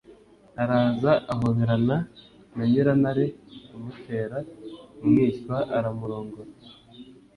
araza ahoberana na nyirantare, amutera umwishywa, aramurongora.